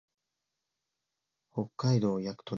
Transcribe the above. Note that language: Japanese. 北海道蘂取村